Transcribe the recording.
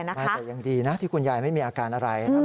แต่ยังดีนะที่คุณยายไม่มีอาการอะไร